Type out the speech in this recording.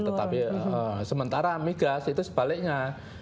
tetapi sementara migas itu sebaliknya